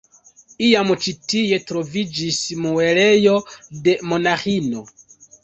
Iam ĉi tie troviĝis muelejo de monaĥinoj.